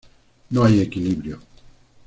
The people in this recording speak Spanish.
No hay equilibrio.